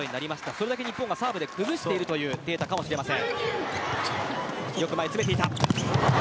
それだけ日本がサーブで崩しているというデータかもしれません。